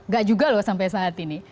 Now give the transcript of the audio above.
gak juga loh sampai saat ini